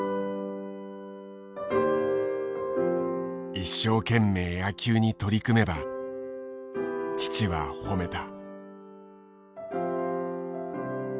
一生懸命野球に取り組めば父は褒めた。